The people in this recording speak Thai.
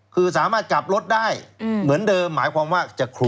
คือสามารถกลับรถได้เหมือนเดิมหมายความว่าจะครู